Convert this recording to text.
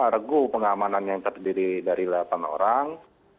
regu pengamanan yang terdiri dari delapan orang